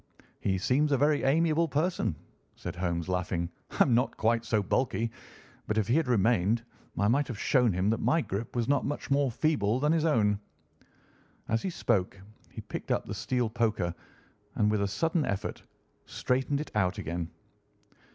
"He seems a very amiable person," said Holmes, laughing. "I am not quite so bulky, but if he had remained I might have shown him that my grip was not much more feeble than his own." As he spoke he picked up the steel poker and, with a sudden effort, straightened it out again.